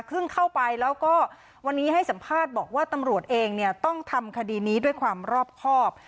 เข้าไปแล้วก็วันนี้ให้สัมภาษณ์บอกว่าตำรวจเองเนี่ยต้องทำคดีนี้ด้วยความรอบครอบ